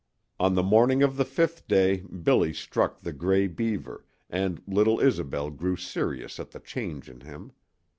On the morning of the fifth day Billy struck the Gray Beaver, and little Isobel grew serious at the change in him.